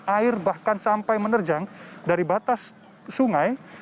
air bahkan sampai menerjang dari batas sungai